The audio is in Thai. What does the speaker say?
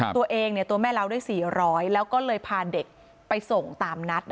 ตัวเองเนี่ยตัวแม่เลาะได้๔๐๐บาทแล้วก็เลยพาเด็กไปส่งตามนัด